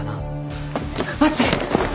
待って！